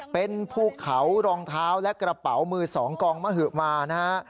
เป็นภูเขารองเท้าและกระเป๋ามือสองกองมหึมานะฮะ